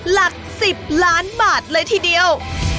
หลัก๑๐ล้านบาทเลยทีเดียว